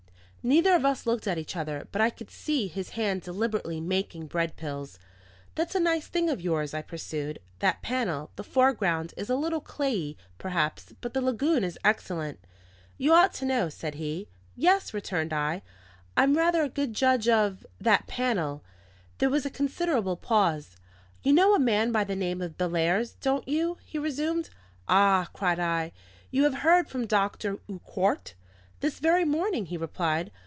Neither of us looked at each other; but I could see his hand deliberately making bread pills. "That's a nice thing of yours," I pursued, "that panel. The foreground is a little clayey, perhaps, but the lagoon is excellent." "You ought to know," said he. "Yes," returned I, "I'm rather a good judge of that panel." There was a considerable pause. "You know a man by the name of Bellairs, don't you?" he resumed. "Ah!" cried I, "you have heard from Doctor Urquart?" "This very morning," he replied.